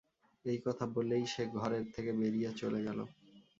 এই কথা বলেই সে ঘরের থেকে বেরিয়ে চলে গেল।